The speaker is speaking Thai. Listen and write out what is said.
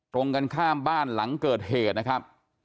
ตรงกันข้ามบ้านหลังเกิดเหตุนะครับ